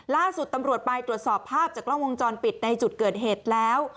ล่าสุดตำรวจไปตรวจสอบภาพจากกล้องวงจรปิดในจุดเกิดเหตุแล้ว